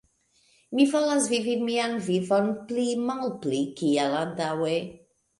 Mi volas vivi mian vivon pli-malpli kiel antaŭe.